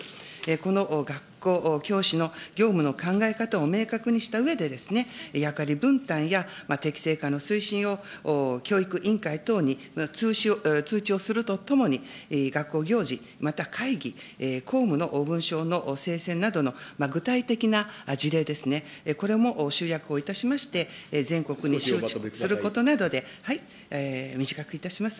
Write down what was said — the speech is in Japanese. この学校、教師の業務の考え方を明確にしたうえで、役割分担や適正化の推進を教育委員会等に通知をするとともに、学校行事、また会議、公務の分掌のせいせいなどの具体的な事例ですね、これも集約をいたしまして、全国に周知することなどで、短くいたします。